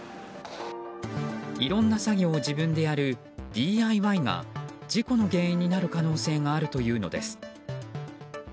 いろんな作業を自分でやるＤＩＹが事故の原因になる可能性があるというのです。